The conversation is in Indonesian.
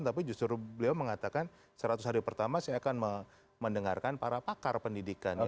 tapi justru beliau mengatakan seratus hari pertama saya akan mendengarkan para pakar pendidikan